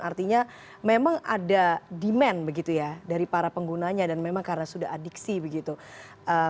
artinya memang ada demand begitu ya dari para penggunanya dan memang karena sudah adiksi begitu